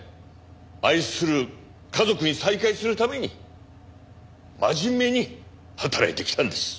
愛する家族に再会するために真面目に働いてきたんです。